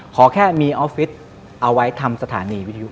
ขอแค่มีออฟฟิศเอาไว้ทำสถานีวิทยุ